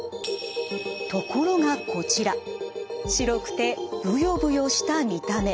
ところがこちら白くてブヨブヨした見た目。